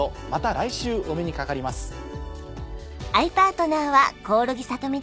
また来週お目にかかります。